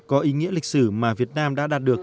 có ý nghĩa lịch sử mà việt nam đã đạt được